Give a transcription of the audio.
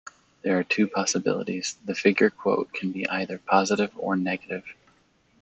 There are two possibilities: the figure quote can be either positive or negative.